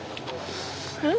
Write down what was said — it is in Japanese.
うん？